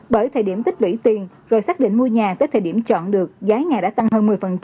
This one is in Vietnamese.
bởi thời điểm tích lũy tiền rồi xác định mua nhà tới thời điểm chọn được giá nhà đã tăng hơn một mươi